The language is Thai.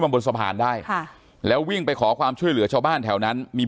บนสะพานได้ค่ะแล้ววิ่งไปขอความช่วยเหลือชาวบ้านแถวนั้นมี